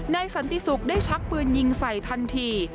สันติศุกร์ได้ชักปืนยิงใส่ทันที